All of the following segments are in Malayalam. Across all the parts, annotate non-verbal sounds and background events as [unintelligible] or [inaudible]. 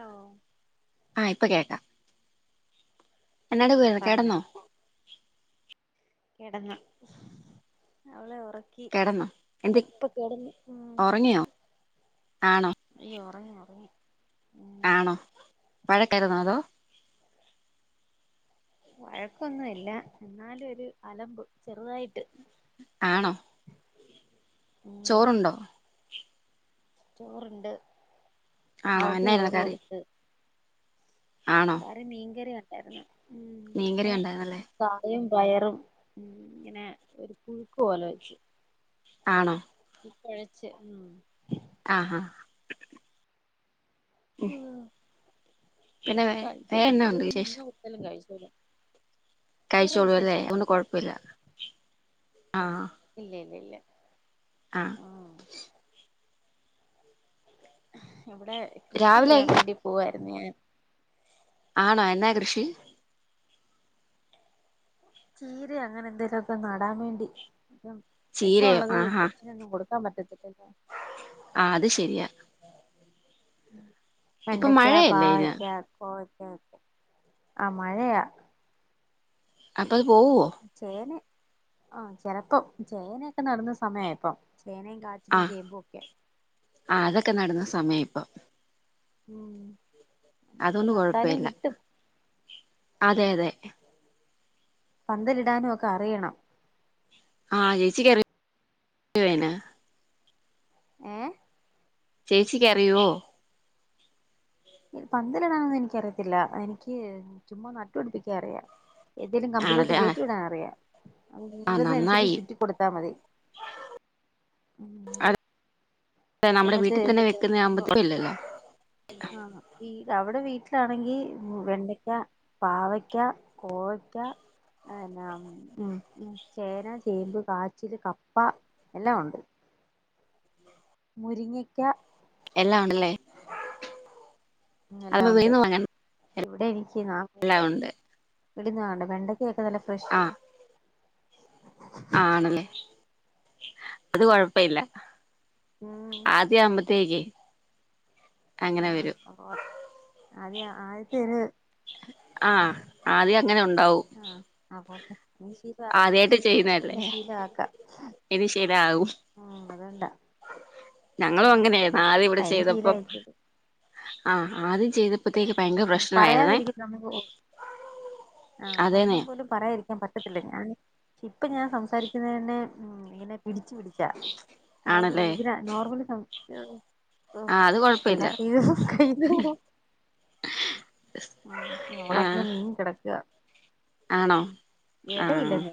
ഓ ആ ഇപ്പ കേക്കാം. ആ എന്നാടുക്കുവാരുന്നു പറഞ്ഞോ കെടന്നോ? കെടന്നു അവളെയോ ഒറക്കി കെടന്നോ എന്തി ഇപ്പ കെടന്നു മ് ഒറങ്ങിയോ ആണോ അയ്യോ ഒറങ്ങി ഒറങ്ങി. ആണോ വഴക്കാരുന്നോ അതോ. വഴക്കൊന്നും ഇല്ല എന്നാലും ഒരു അലമ്പ് ചെറുതായി ആണോ ഉം ചോറുണ്ടോ ചോറുണ്ട് ആണോ അവൾക്ക് എന്നായിരുന്നു ചോറ് കറി കൊടുത്തു. ആണോ കറി മീൻ കറിയാ. കരഞ്ഞു മീൻകറി ഏഹ് ഉണ്ടായിരുന്നല്ലേ തളിരും. പയറും പിന്നെ ഒരു പുഴുക്ക് പോലെ വെച്ചു. ആണോ കൊഴച്ച് ഉം ആഹ് ആഹ് ഉം [unintelligible] ഇവള് പിന്നെ എന്നാ വിശേഷം കൊടുത്താലും കഴിച്ചാ. ഇല്ല കഴിച്ചോളൂ അല്ലേ അതോണ്ട് കൊഴപ്പില്ല ആഹ്. ഇ ല്ല ആഹ് അവിടെ കൃഷി രാവിലെ യ്യാൻ വേണ്ടി പോക ഇന്ന് ഞാൻ ആണോ എന്നാ കൃഷി ചീര അങ്ങനെ എന്തേലുമൊക്കെ നടാൻ വേണ്ടി വിശ്വള്ളത് കൊച്ചിനൊന്നും കൊടു ആ മറ്റത് ആ അത് ശരിയാ ഉ ഇപ്പൊ വെണ്ടയ്ക്കാ, മഴയല്ലേ ഇന് പാവക്കാ, കോവ ആ പ് മഴയാ അല് പോവോ ചേന ആ ചെലപ്പോ ചേ നയൊക്കെ നടന്ന സമയായപ്പൊ ആഹ് ആഹ് അതൊക്കെ നടന്ന സമയം ഇപ്പൊ ഉം നമുക്ക് അതൊന്നും നട്ടാലും കുഴപ്പല്ല കിട്ടും അതെ അതെ പന്തലിടാനും ഒക്കെ അറിയണം ആഹ് ചേച്ചി അറിയോ അയിന് ഹേ ചേച്ചിക്കറിയുവോ പന്തല ഇടാനൊന്ന് എനിക്കറിയത്തില്ല എനിക്ക് ചുമ്മാ നട്ടുപടിപ്പിക്കാൻ അറിയാം എന്തേലും കമ്പിലോട്ട് ആണല്ലേ ആ കേയറ്റി വിടാൻ അറിയാം അത് ആ വീഴുന്ന നന്നായി അനുസരിച്ച് ചുറ്റി കൊടുത്താ മതി അഹ് നമ്മുടെ സമയത്ത് വീട്ടിൽ തന്നെ വെക്കുന്ന ആകുമ്പോ എന്തിട്ടാകുമ്പോ കുഴപ്പമില്ലല്ലോ ആഹ് അവിടെ വീട്ടിലാണെങ്കിൽ വെണ്ടയ്ക്ക പാവക്ക കോവക്ക പിന്നെ ചേന ചേമ്പ് കാച്ചിൽ കപ്പ എല്ലാം ഉണ്ട് മുരിങ്ങക്ക എല്ലാം ഉണ്ടല്ലേ എല്ലാം അതാവുമ്പോ ഉണ്ട് വെളിന്ന് വാങ്ങണ്ട ഇവിടെ എനി എനിക്ക് എല്ലാം [unintelligible] ഉണ്ട് ഇടുന്നതണ്ട് വെണ്ട വെണ്ടയ്ക്ക ഒക്കെ നല്ല ഫ്രഷ് ആ ആണല്ലേ അത് കൊഴപ്പ ഇല്ല ഉം ആദ്യ അമ്പത്തേക്ക് അ ആ അപ്പൊ അത ആദ്യത്തെര് ആ ആദ്യം അങ്ങനെ ഉണ്ടാവും ആ അപ്പൊപിന്നെ അഹ് ശരി ആദ്യായിട്ട് ചെയ്യുന്നല്ലേ ഇനി ശരിആവും ഉം അതുകൊണ്ടാ ഞങ്ങളും ഉം അങ്ങനെയായിരുന്നു ആദ്യ ഇവിടെ അയിന് ചെയ്തപ്പം ശീലായിക്കോളും ആഹ ആദ്യം ചെയ്ത പറയാതിരിക്കുന്നു നമുക്ക് ആഹ അതേന്നെ ഒരെണ്ണം പോലും പറയാതിരിക്കാൻ പറ്റത്തില്ല ഞാൻ ഇപ്പൊ ഞാൻ സംസാരിക്കുന്ന തന്നെ ഉ ഇങ്ങനെ പി പിടിക്കില്ല നിർമൽ ആണല്ലേ രീതിയിൽ സംസാരിക്കുമ്പോൾ തന്നെ ആഹ ആ അത് കൊഴപ്പയില്ല എല്ലാം ക കെയിൻ പോവും ഉ നമ്മൾ ആ ഒകെ ഇനീം കിടക്ക ആണോ ആ ഇടയിലന്നേ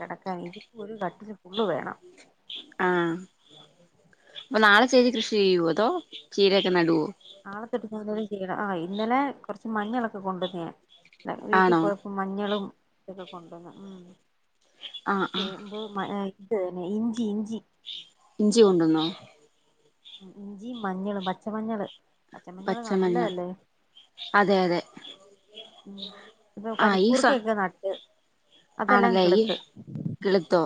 കിടക്കാൻ ഇതിപ്പോ ഒരു കട്ടിൽ ഫുള്ള് വേണം ആഹ അപ്പൊ നാളെ ചേച്ചി കൃഷി ചെയ്യുവോ അതോ ചീരയക്കെ നടുവോ ആളത്തി ഇടും ചെയ്യണം ആ ഇന്നലെ കുറച്ച് മഞ്ഞളൊക്കെ കൊണ്ടുവന്ന ഞാൻ വീട്ടിൽ ആണോ പോയപ്പോ മഞ്ഞളും ഇക്ക കൊണ്ടന്ന ഉം ആഹ് ആഹ് ചേമ്പും [inaudible] ഇതന്നെ ഇഞ്ചി ഇഞ്ചി ഇഞ്ചി കൊണ്ടന്നോ ഇഞ്ചി മഞ്ഞളും പച്ച മഞ്ഞൾ പച്ച മഞ്ഞൾ പച്ചമഞ്ഞൾ നല്ലതല്ലേ അതെ അതെ ഉ ഇപ്പൊ ആഹ് ഈ സ പനിക്കൂർക്കൊക്കെ നട്ട് അതെല്ലാം ആണല്ലേ ഈ കിളുത്ത് കൊളുത്തൂ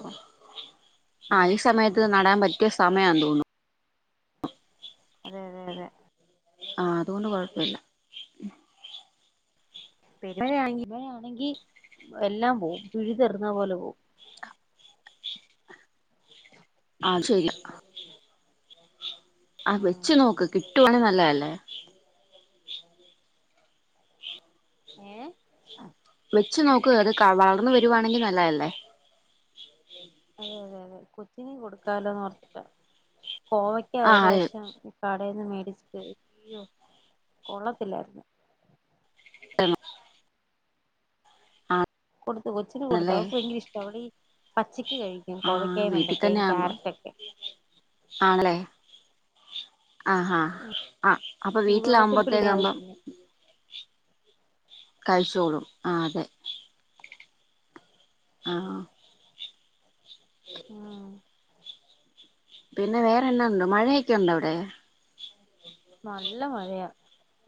ആ ഉം ഈ സമയത്ത് നടാൻ പറ്റിയ സമയം തോന്നുന്നു അതെ അതെ അതെ ആഹ അതുകൊണ്ട് കൊഴപ്പില്ല [inaudible] ഇവ ആണെങ്കി എല്ലാം പോകും പിഴുതെറുന്ന പോലെ എല്ലാം പോകും ആഹ ശരിയാ അ വെച്ച് നോക്ക് കിട്ട നല്ലതല്ലേ ഏ വെച്ച് നോക്ക് അത് വളർന്നു വരുവാണെങ്കിൽ നല്ലത് അല്ലേ അതെ അതെ അതെ കൊച്ചിന് കൊടുക്കാലോന്ന് ഓർത്തിട്ട കോവയ്ക്കാ ഒരു ആഹ് അതെ പ്രാവശ്യം അവിടെന്ന് മേടിച്ചത് കൊള്ളത്തില്ലായിരുന്നു ആണോ [inaudible] കൊടുത്ത് കൊച്ചന് കൊടുത്ത് ആണല്ലേ അവൾക്ക് ഭയങ്കര ഇഷ്ടാ അവളീ പച്ചക്ക് കഴിക്കും ആഹ് കോവക്കായും വീട്ടിൽ തന്നെ വെണ്ടക്കായും ആകുമ്പം ക്യാരറ്റ് ഒക്കെ ആഹാ ആ അപ്പൊ ചൂടുവെള്ളത്തിൽ വീട്ടിലാാവുമ്പോത്തേക്ക് ഇട്ട് അത് ആകുമ്പോ തിന്നും കഴിച്ചോളും ആ അതെ ആ [inaudible] പിന്നെ വേറെന്നാ ഉണ്ട് മഴയൊക്കെയുണ്ടോ അവിടെ നല്ല മഴയാ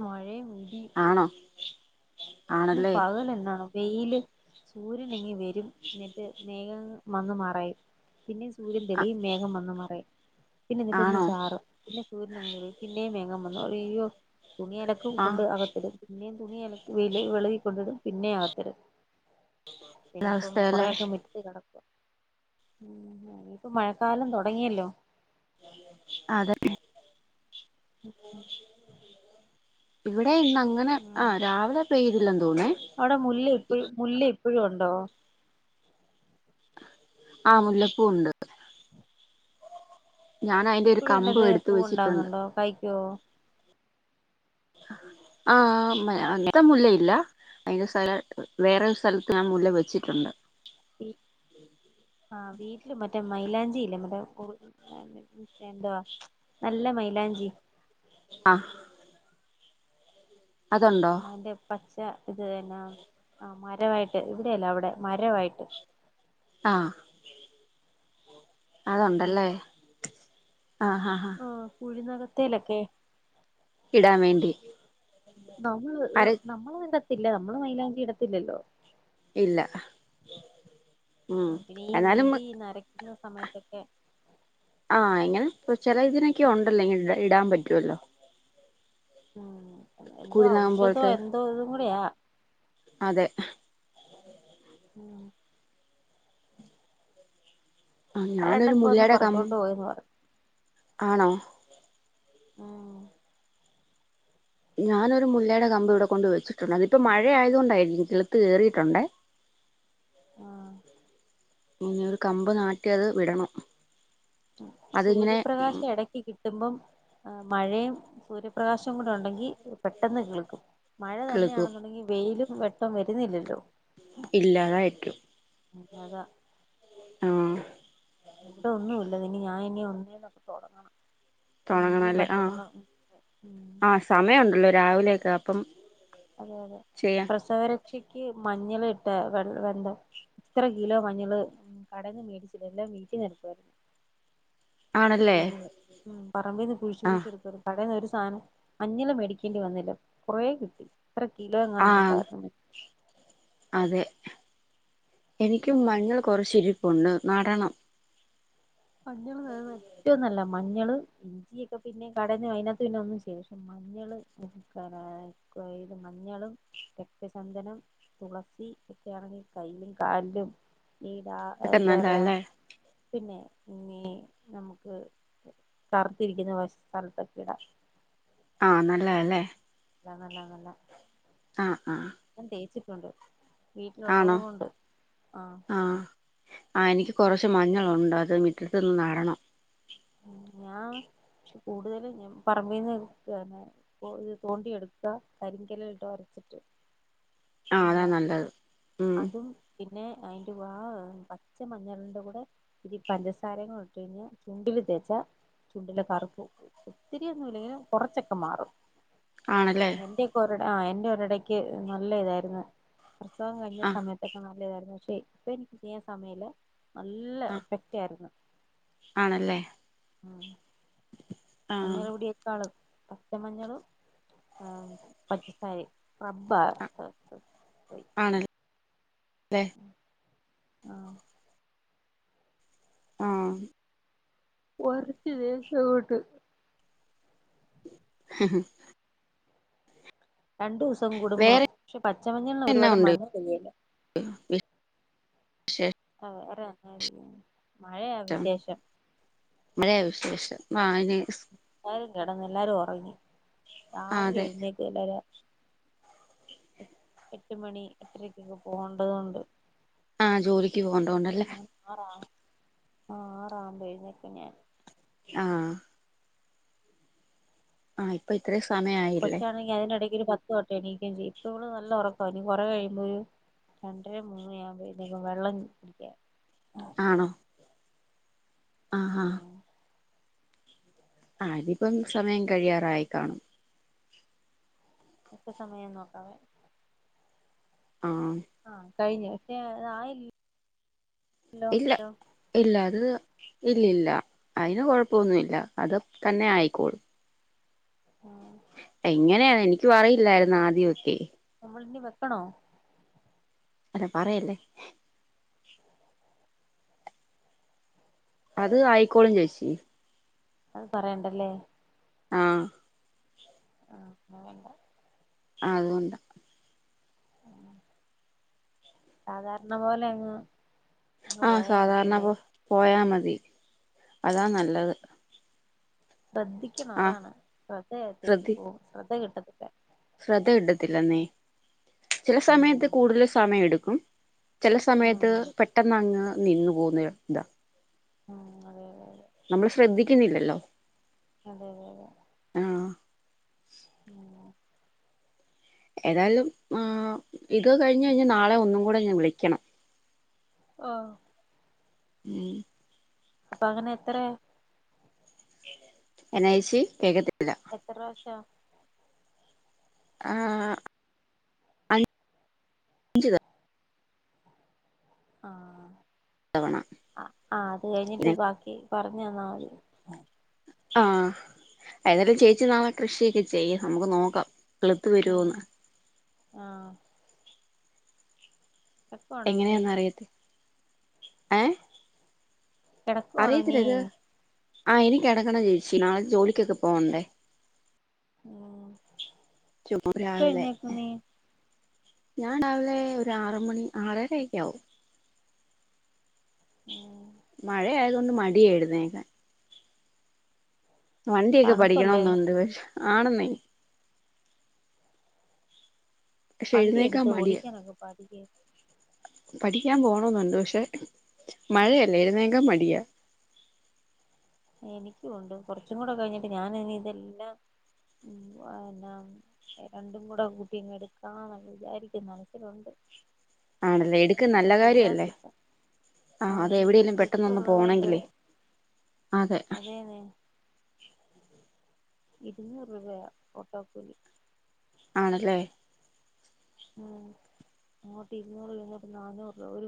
മഴേം ആണോ ഇ ആണല്ലേ പകൽ എന്ന വെയില് സൂര്യനങ്ങി വെ എന്നിട്ട് [inaudible] വന്നു മറയും പിന്നെ സൂര്യൻ ആ തെളിയും മേഘം വന്ന് മറയും പിന്നെ എന്നിട്ട് ഇന്ന് ആണോ ചാറും പിന്നെ സൂര്യനങ്ങ് വരും പിന്നേം മേഘം വന്നു മറയും അയ്യോ തുണി അലക്കും ആഹ് കൊണ്ട് അകത്തിടും പിന്നെയും തുണി അലക്കി വെയി- കൊണ്ടിടും പിന്നേം അകത്തിടും ഇനിയിപ്പം കാലാവസ്ഥയല്ലേ കൊറേയൊക്കെ മിറ്റത്ത് കിടക്കും ഉ ഇപ്പൊ മഴക്കാലം തുടങ്ങിയല്ലോ അതന്നെ [inaudible] ഇവി- അതെ ഇന്ന് അങ്ങനെ ആ ഉം രാവിലെ പെയ്തില്ലന്ന് ത ഇപ്പോഴും ഉണ്ടോ ആ മുല്ലപ്പൂവുണ്ട് ഇപ്പഴും ഇന്നത് എടുത്ത് പൂവ് വെച്ചിട്ടുണ്ട് ഉണ്ടാങ്ങുന്നുണ്ടോ കായ്ക്കോ ആ ആ അങ്ങനെ മുല്ലയി- ല്ല അതിന്റെ സ്ഥല വേറെ സ്ഥലത്ത് ഞാൻ മുല്ല വെച്ചിട്ടുണ്ട് ആ [inaudible] വീട്ടിലും മറ്റേ മൈലാഞ്ചില്ലേ മറ്റേ എന്തുവാ നല്ല മൈലാഞ്ചി ആ അതേ പച്ച് ഇത് തന്നെ ആ ആ മരമായിട്ട് ഇവിടെയല്ല അവിടെ മരമായിട്ട് ആഹാ അത് ഉം ഉണ്ടല്ലേ ആഹ് ഹാ ആഹ് ഹാ ആഹ് ഹാ ത്തിലൊക്കെ ഇടാൻ വേണ്ടി നമ്മള് അര നമ്മള് മിണ്ട ഇല്ല നമ്മള് മൈലാഞ്ചി ഇടത്തില്ലല്ലോ ഇല്ല ഉം പിന്നെ ഈ മുടി നരക്കുന്ന സമയത്തൊക്കെ ആഹ് ഇങ്ങനെ ചിലതിനൊക്കെ ഉണ്ടല്ലോ ഇങ്ങനെ ഇടാൻ പറ്റുവല്ലോ ആഹ് എന്തോ കുരുനകം ഔഷധോ പോലത്തെ എന്തോ ഇതും കുടെയാ അതെ ഉം ആഹ് ആ ഞാനൊരു രണ്ടൊക്കെ ഒന്ന് മുല്ലയുടെ കം പറിച്ചോണ്ട് പോയന്ന് ആണോ- ഉം ഞാനൊരു മുല്ലയുടെ കമ്പ് ഇവിടെ കൊണ്ട് വെച്ചിട്ടുണ്ട് അതിപ്പോ മഴ ആയതുകൊണ്ടായിരിക്കും കിളുത്ത് കേറിയിട്ടുണ്ടേ ആഹ് പിന്നെ ഒരു കമ്പ് നാട്ടി അത് വിടണം അതിങ്ങനെ സൂര്യപ്രകാശം എടക്ക് കി കിട്ടുമ്പം മഴയും സൂര്യപ്രകാശവും കൂടെ ഉണ്ടെങ്കി പെട്ടെന്ന് കിളിർക്കും മഴ കിളുക്കും തന്നെയാണെന്നുണ്ടെങ്കി വെയിലും വെട്ടം വരുന്നില്ലല്ലോ ഇല്ലാതായിരിക്കും അതാ ആഹ് ഇവിടെ ഒന്നും ഇല്ല ഇനി ഞാൻ ഇനി ഒന്നേന്ന് തൊട്ട് തുടങ്ങണം തുടങ്ങണല്ലേ ആ ഉം ആ സമയുണ്ടല്ലോ രാവിലെ അതാപ്പം അതെ അതെ പ്രസവര പക്ഷിയ്ക്ക് മഞ്ഞൾ ഇട്ട വെ വെള്ളം ഇത്ര കിലോ മഞ്ഞള് കടേന്ന് മേടിച്ചില്ല എല്ലാം വീട്ടിൽ വരുത്തുവായിരുന്നു ആണല്ലേ മഞ്ഞള് പറമ്പിന്ന് കുഴിച്ച് ആഹ് കുഴിച്ചെടുക്കരുത് പഴേത് സാനം അഞ്ഞള് മേടിക്കേണ്ടി വന്നില്ല കുറേ കിട്ടി ഇത്ര കിലോ ആഹ് എങ്ങാണ്ടുണ്ടാരുന്നു അതെ എനിക്കും മഞ്ഞൾ കൊറച്ച് ഇരിപ്പുണ്ട് നടണം മഞ്ഞള് എന്ന് പറഞ്ഞാൽ ഏറ്റവും നല്ല മഞ്ഞള് ഇഞ്ചിയൊക്കെ പിന്നെ കടഞ്ഞ് അതിനകത്ത് പിന്നെ ഒന്നും ചെയ്യരുത് മഞ്ഞള് മഞ്ഞളും, രക്തചന്ദനം, തുളസി ഒക്കെ ആണെങ്കിൽ കയ്യിലും കാലിലും ഏടാ ഒക്കെ എന്തോ പറയാ നല്ലതല്ലേ പിന്നെ പിന്നെ നമുക്ക് കറുത്തിരിക്കുന്ന വശ സ്ഥലത്തൊക്കെ ഇടാം ആ നല്ലതാ അല്ലേ നല്ലതാ നല്ലതാ നല്ലതാ ആ ആ ഇതൊണ്ട് വീട്ടിലുള്ളത് കൊണ്ട് ആ ആ എനിക്ക് കൊറച്ച് മഞ്ഞളൊണ്ട് അത് മിറ്റത്ത്ന്ന് നടണം ഞാൻ പക്ഷേ കൂടുതലും ഞാൻ പറമ്പീന്ന് തോണ്ടിയെടുക്കുവാ കരിങ്കല്ലേൽ ഇട്ട് ഒരച്ചിട്ട് ആ അതാ നല്ല നല്ലത് ഉം അതും പിന്നെ അയിന്റെ വാ പച്ച മഞ്ഞളിന്റെ കൂടെ ഇച്ചിരി പഞ്ചസാരേം കൂടെ ഇട്ട് കഴിഞ്ഞാ ചുണ്ടില് തേച്ചാ ചുണ്ടിലെ കറുപ്പ്‌ പോകും ഒത്തിരിയൊന്നും ഇല്ലെങ്കിലും കുറച്ചൊക്കെ മാറും ആണല്ലേ എന്റെ കൊറേ ആ എന്റെ ഒരിടക്ക് നല്ല ഇതാരുന്ന് പ്രസവം കഴിഞ്ഞ ആഹ് സമയത്തൊക്കെ നല്ലതാരുന്നു പക്ഷേ ഇപ്പൊ എനിക്ക് ചെയ്യാൻ സമയില്ലാ നല്ല ആഹ് എഫക്റ്റ് ആരുന്ന് ആണല്ലേ അ മഞ്ഞള് ആഹ് പൊടിയെക്കാളും പച്ച മഞ്ഞളും ആ പഞ്ചസാരയും റബ്ബാ ആണല്ലേ ആ ആ [unintelligible] [inaudible] രണ്ടു ദിവസം കൂടുമ്പം വേറെ പക്ഷെ പച്ചമഞ്ഞൾന് എന്നാ ഒരുപാട് ഉണ്ട് മഞ്ഞ [unintelligible] ഓ വേറെ എന്നാ ഇരിക്കുന്നു [unintelligible] മഴയാ വിശേഷം [unintelligible] [inaudible] കെടന്ന് എല്ലാരും ഉറങ്ങി ആ രാവിലെ അതെ എഴുന്നേക്ക എല്ലാര എ എട്ട് മണി എട്ടരക്കൊക്കെ പോകണ്ടതോണ്ട് ആഹ് ജോലിക്ക് പോകണ്ടോണ്ടല്ലേ ആഹ്ആറാമ്പഴുന്നേക്കും ഞാൻ ആഹ് ആഹ് ഇപ്പൊ ഇത്ര സ കൊച്ചാണങ്കി അതിന്റെടക്കൊരു പത്ത് വട്ടം എണീക്കും ചെയ്യും ഇപ്പ ഇവള് നല്ല ഉറക്കാ ഇനി കുറ കഴിയുമ്പോഴ് ഒരു രണ്ടര മൂന്ന് ആവുമ്പോഴുന്നേക്കും വെള്ളം കുടിക്കാൻ ആണോ ആഹ് ആഹ് ഉം ആഹ് അതിപ്പം സമയം കഴിയാറായി കാണും ഇപ്പ സമയം നോക്കാവെ ആഹ് കഴിഞ്ഞോ പക്ഷേ അതായിൽ ഇല്ല ഇല്ല അത് ഇല്ലില്ല അതിന് കൊഴപ്പൊന്നുല്ല അത് തന്നെ ആയിക്കോളും ആഹ് എങ്ങനെയാണ് എനിക്ക് അറിയില്ലായിരുന്നു ആദ്യൊക്കെ നമ്മളിനി വെക്കണോ അത് പറയല്ലേ അത് ആയിക്കോളും ചേച്ചി അത് പറയണ്ടല്ലേ ആഹ് ആഹ് വേണ്ട അതുകൊണ്ടാ ആഹ് സാധാർണ പോലെങ്ങ് ആഹ് സാധാരണ പോ പോയാ മതി തി അതാ നല്ലത് ശ്രദ്ധിക്കണം ആഹ് അതാണ് ശ്രദ്ധ ശ്രദ്ധി തെറ്റിപ്പോവും ശ്രദ്ധ കിട്ടത്തി ശ്രദ്ധ കിട്ടത്തില്ലന്നെ ചില സമയത്ത് ഉം കൂടുതൽ സമയം എടുക്ക് [unintelligible] ചെല ഉം സമയത്ത് പെട്ടെന്ന് അങ്ങ് നിന്നു പോന്ന താ ഉം അതെ അതെതെ നമ്മൾ ശ്രദ്ധിക്കുന്നില്ലല്ലോ അതെ അതെ അതെ ആഹ് ഉം ഏതാലും ആഹ് ഇത് കഴിഞ്ഞയിഞ്ഞ നാളെ ഒന്നും കൂടെ ഞാൻ വിളിക്കണം അഹ് മ്മ് അപ്പൊ അങ്ങനെ എത്ര എന്നയെച്ചി കെക്ക എത്രശ് [unintelligible] ആഹ് അഞ്ച് ആഹ് തവണ ആ ആഹ് അത് കഴിഞ്ഞിട്ട് ബാക്കി പറഞ്ഞന്നാമതി ആഹ ഏതാലും ചേച്ചി നാളെ കൃഷിയൊക്കെ ചെയ്യ് നമുക്ക് നോക്കാം കിളിത്ത് വരോന്ന് ആ എങ്ങനെയ ഇവനി ഒന്ന അറിയട്ട് ഏ കെടക്കാണോ നീ ആ എനി കെടക്കണം ചേച്ചി നാളെ ജോലിക്കൊക്കെ പോവണ്ടേ മ് ചുമ്മാ എപ്പോ രാവിലെ എഴുനേൽക്കും നീ ഞാൻ രാവിലെ ഒര് ആറ് മണി ആറരയക്കാവും ഉം ന്ന് മടിയാ എഴുന്നേക്കാൻ വണ്ടിയൊക്കെ പഠിക്കണം തണുപ്പല്ലേ എന്ന് ഉണ്ട് പ ആണന്നെ വണ്ടി എടുത്ത് മടിയാ ഓടിക്കാനൊക്കെ പഠിക്ക് പഠിക്കാൻ പോണെന്നുണ്ട് പക്ഷെ മഴയല്ലേ എഴുന്നേക്കാൻ മടിയാ എനിക്കും മുണ്ട് കുറച്ചും കൂടെ കഴിഞ്ഞിട്ട് ഞാൻ ഇനി ഇതെല്ലാം ഉം എന്നാ രണ്ടും കൂടെ കൂട്ടി എടുക്കാന്ന് വിചാരിക്കുന്നുണ്ട് മനസ്സിലുണ്ട് ആണല്ലേ എടുക്ക് അത് നല്ല കാര്യല്ലേ ശരിയാവത്തില്ല ആഹ് അതെ എവിടെലും പെട്ടെന്ന് ഒന്ന് പോണെങ്കിലെ അതെ അതെ ഇരുന്നൂറ് രൂപയാ ഓട്ടോക്കൂലി ആണല്ലേ ഉം അങ്ങോട്ട് ഇരുന്നൂറും ഇരുന്നൂറും നന്നൂറുരൂപ ഒരു